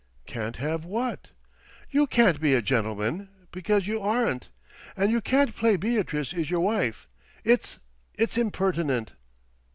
"Can't have what?" "You can't be a gentleman, because you aren't. And you can't play Beatrice is your wife. It's—it's impertinent."